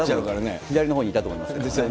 左のほうにいたと思いますけ